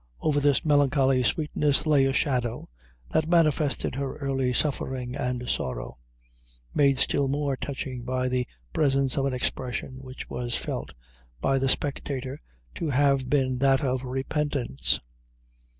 Over this melancholy sweetness lay a shadow that manifested her early suffering and sorrow, made still more touching by the presence of an expression which was felt by the spectator to have been that of repentance.